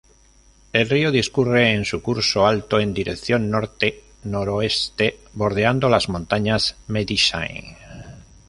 El río discurre en su curso alto en dirección norte-noroeste, bordeando las montañas Medicine.